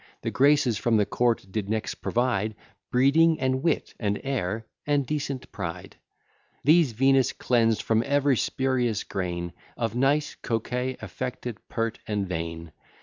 The Graces from the court did next provide Breeding, and wit, and air, and decent pride: These Venus cleans'd from ev'ry spurious grain Of nice coquet, affected, pert, and vain.